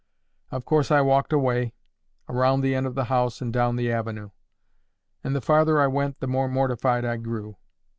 Of course I walked away—round the end of the house and down the avenue; and the farther I went the more mortified I grew.